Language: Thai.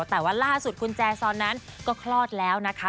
แต่ว่าล่าสุดคุณแจซอนนั้นก็คลอดแล้วนะคะ